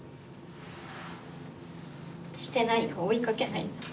「してないよ追いかけないで」